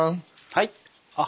はい？